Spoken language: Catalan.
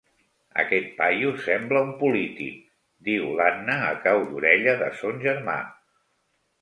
Aquest paio sembla un polític —diu l'Anna a cau d'orella de son germà.